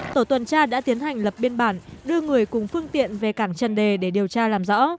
tổ tuần tra đã tiến hành lập biên bản đưa người cùng phương tiện về cảng trần đề để điều tra làm rõ